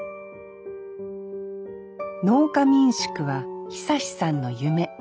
農家民宿は久さんの夢。